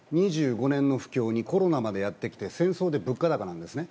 ２５年の不況にコロナまでやってきて戦争で物価高なんですね。